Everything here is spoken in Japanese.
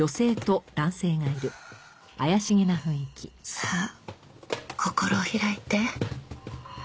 さあ心を開いて。